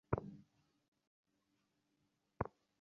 আমি সাময়িক সংস্কারে বিশ্বাসী নই, আমি স্বাভাবিক উন্নতিতে বিশ্বাসী।